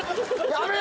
やめろ